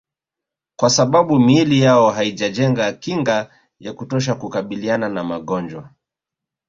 Kwa sababu miili yao haijajenga kinga ya kutosha kukabiliana na magonjwa